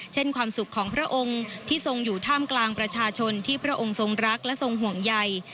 ความสุขของพระองค์ที่ทรงอยู่ท่ามกลางประชาชนที่พระองค์ทรงรักและทรงห่วงใย